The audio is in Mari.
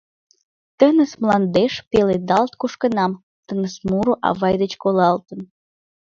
Тыныс мландеш пеледалт кушкынам, Тыныс муро авай деч колалтын.